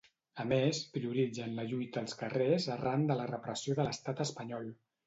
A més, prioritzen la lluita als carrers arran de la repressió de l'estat espanyol.